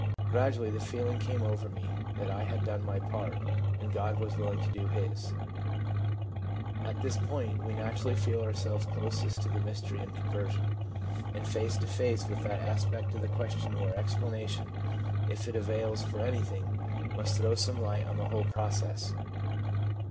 Gradually the feeling came over me that I had done my part, and God was willing to do His/ At this point, we naturally feel ourselves closest to the mystery in conversion, and face to face with that aspect of the question where explanation, if it avails for anything, must throw some light on the whole process.